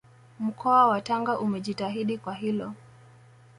Mkoa wa Tanga umejitahidi kwa hilo